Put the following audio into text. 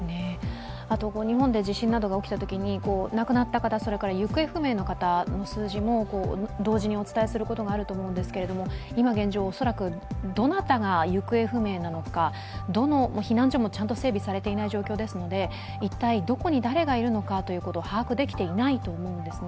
日本で地震などが起きたときに亡くなった方、行方不明の方の数字も同時にお伝えすることがあると思うんですけど、現状、恐らくどなたが行方不明なのか、避難所もちゃんと整備されていない状況ですので一体どこに誰がいるのかということを把握できていないと思うんですね。